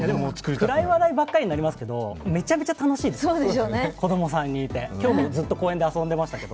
暗い話題ばかりになりますけれども、めちゃくちゃ楽しいです、子供３人いて、今日もずっと公園で遊んでましたけど。